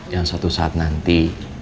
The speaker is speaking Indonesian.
yang suatu saat nanti